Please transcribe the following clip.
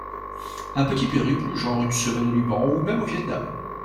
Un petit périple, genre une semaine au Liban, ou même au Vietnam